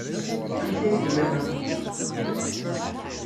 Amek ay tellam akk?